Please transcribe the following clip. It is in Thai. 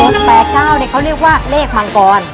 โทรฟแปรก๙เขาเรียกว่าเลขมังกร